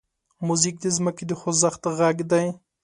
موزیک د ځمکې د خوځښت غږ دی.